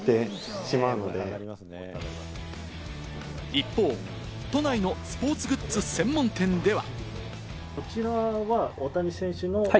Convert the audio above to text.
一方、都内のスポーツグッズ専門店では。